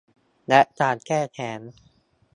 และการแก้แค้น